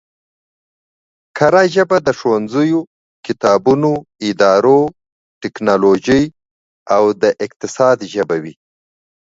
کره ژبه د ښوونځیو، کتابونو، ادارو، ټکنولوژۍ او اقتصاد ژبه وي